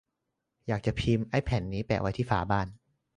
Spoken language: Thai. อยากจะพิมพ์ไอ้แผ่นนี้แปะไว้ที่ฝาบ้าน !